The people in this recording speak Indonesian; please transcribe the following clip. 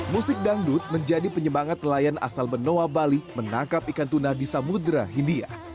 musik dangdut menjadi penyemangat nelayan asal benoa bali menangkap ikan tuna di samudera hindia